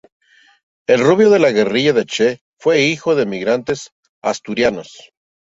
El Rubio de la guerrilla del Che, fue hijo de emigrantes asturianos.